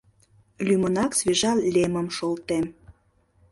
— Лӱмынак свежа лемым шолтем.